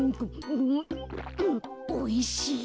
おいしい。